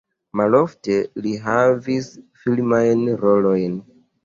Malofte li havis filmajn rolojn.